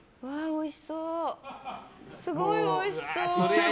すごいおいしそう。